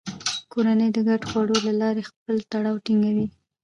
کورنۍ د ګډو خوړو له لارې خپل تړاو ټینګوي